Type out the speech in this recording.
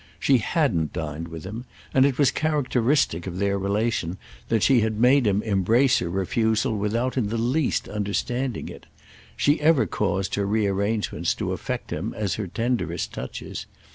She hadn't dined with him, and it was characteristic of their relation that she had made him embrace her refusal without in the least understanding it. She ever caused her rearrangements to affect him as her tenderest touches.